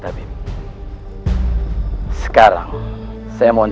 tapi kurang banyak minum